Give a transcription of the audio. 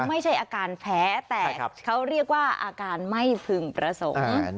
ไม่ใช่อาการแพ้แต่เขาเรียกว่าอาการไม่พึงประสงค์